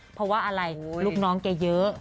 เพราะว่าอะไรลูกน้องแกเยอะ